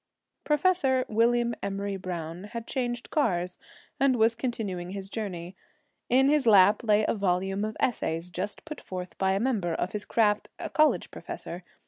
Professor William Emory Browne had changed cars and was continuing his journey. In his lap lay a volume of essays just put forth by a member of his craft, a college professor.